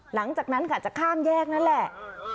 หลังจากนั้นค่ะจะข้ามแยกนั่นแหละ